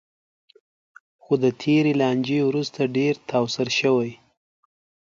خو د تېرې لانجې وروسته ډېر تاوسر شوی.